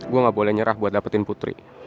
gue gak boleh nyerah buat dapetin putri